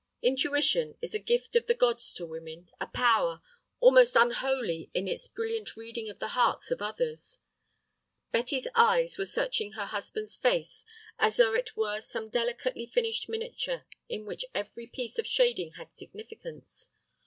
Intuition is a gift of the gods to women, a power—almost unholy in its brilliant reading of the hearts of others. Betty's eyes were searching her husband's face as though it were some delicately finished miniature in which every piece of shading had significance.